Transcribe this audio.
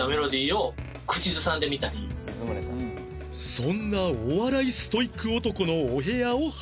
そんなお笑いストイック男のお部屋を拝見